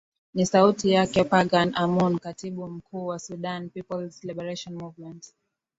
ni sauti yake pargan amoon katibu mkuu wa sudan peoples liberation movement